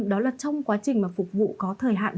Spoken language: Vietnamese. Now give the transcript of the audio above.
đó là trong quá trình mà phục vụ có thời hạn